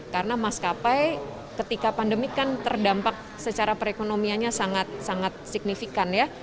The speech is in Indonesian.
karena maskapai ketika pandemi kan terdampak secara perekonomiannya sangat sangat signifikan ya